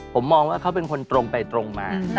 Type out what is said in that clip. ผมมองว่าเขาเป็นคนตรงไปตรงมา